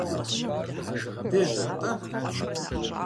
Дежьэрэ-тӀэ?